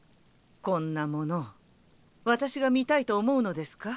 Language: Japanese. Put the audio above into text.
こんなものを私が見たいと思うのですか？